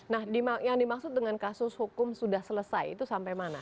nah yang dimaksud dengan kasus hukum sudah selesai itu sampai mana